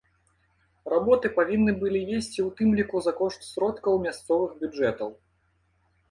Работы павінны былі весці у тым ліку за кошт сродкаў мясцовых бюджэтаў.